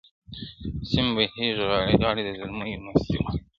سیند بهیږي غاړي غاړي د زلمیو مستي غواړي-